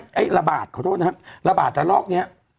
ไอ้ระบาดขอโทษนะครับระบาดระลอกนี้